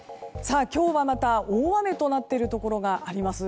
今日はまた大雨となっているところがあります。